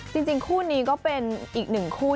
จริงคู่นี้ก็เป็นอีกหนึ่งคู่